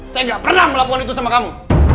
saya nggak pernah melakukan itu sama kamu